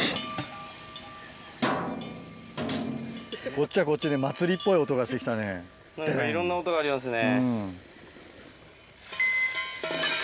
こっちはこっちで祭っぽい音がしいろんな音がありますね。